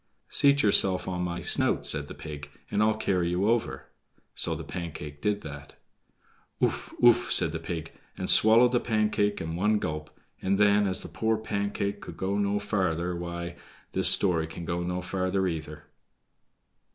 "Seat yourself on my snout," said the pig, "and I'll carry you over." So the Pancake did that. "Ouf, ouf," said the pig, and swallowed the Pancake at one gulp; and then, as the poor Pancake could go no farther, why—this story can go no farther either.